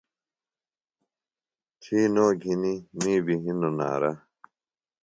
تھی نوۡ گِھنیۡ می بیۡ ہِنوۡ نعرہ۔